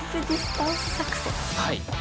はい。